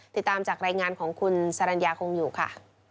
ติดตามจากรายงานของคุณสรรญาคงอยู่ค่ะ